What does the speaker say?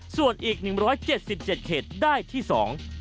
ส่วนอีก๑๗๗เสียงได้ที่๒เสียง